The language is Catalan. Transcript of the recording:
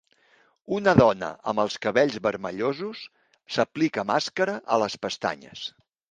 Una dona amb els cabells vermellosos s'aplica màscara a les pestanyes.